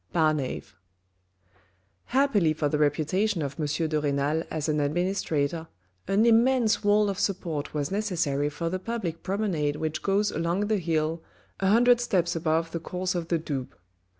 — Bamavt Happily for the reputation of M. de Renal as an administrator an immense wall of support was necessary for the public promenade which goes along the hill, a hundred steps above the course of the Doubs.